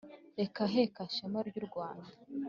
heka heka shema ry’u rwanda